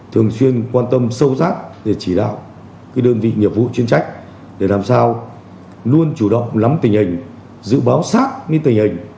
thường xuyên quan tâm sâu sắc để chỉ đạo đơn vị nhiệm vụ chuyên trách để làm sao luôn chủ động lắm tình hình dự báo sát tình hình